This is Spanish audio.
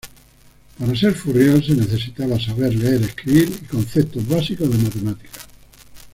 Para ser furriel se necesitaba saber leer, escribir y conceptos básicos de matemáticas.